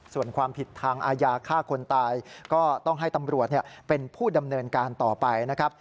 ส่วนความผิดทางอาญาฆ่าคนตายก็ต้องให้ตำรวจเป็นผู้ดำเนินการต่อไปนะครับ